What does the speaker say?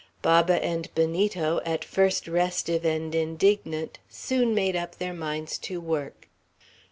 Baba and Benito, at first restive and indignant, soon made up their minds to work.